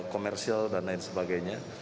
komersial dan lain sebagainya